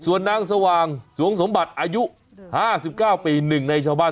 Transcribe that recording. ส่วนนางสว่างสวงสมบัติอายุ๕๙ปี๑ในชาวบ้าน